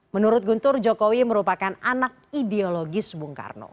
menurut guntur jokowi merupakan anak ideologis bung karno